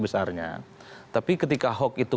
besarnya tapi ketika hoax itu